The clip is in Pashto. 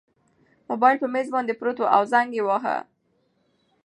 موبایل په مېز باندې پروت و او زنګ یې واهه.